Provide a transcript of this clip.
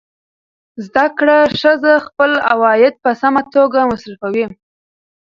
زده کړه ښځه خپل عواید په سمه توګه مصرفوي.